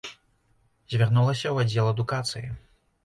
Звярнулася ў аддзел адукацыі.